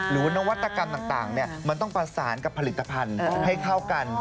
นวัตกรรมต่างมันต้องประสานกับผลิตภัณฑ์ให้เข้ากัน